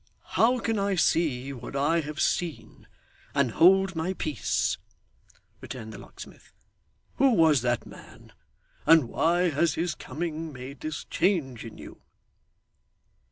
'How can I see what I have seen, and hold my peace!' returned the locksmith. 'Who was that man, and why has his coming made this change in you?